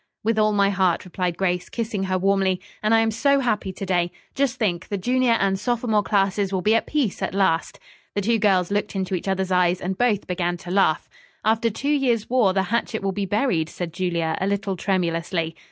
"With all my heart," replied Grace, kissing her warmly. "And I am so happy to day. Just think, the junior and sophomore classes will be at peace at last." The two girls looked into each other's eyes, and both began to laugh. "After two years' war the hatchet will be buried," said Julia a little tremulously.